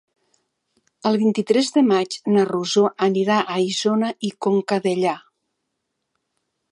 El vint-i-tres de maig na Rosó anirà a Isona i Conca Dellà.